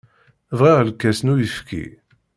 Bɣiɣ lkas n uyefki.